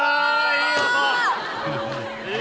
いい音！